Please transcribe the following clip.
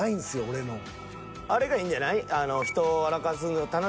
あれがいいんじゃない？